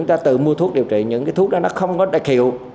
chúng ta tự mua thuốc điều trị những cái thuốc đó nó không có đại kiệu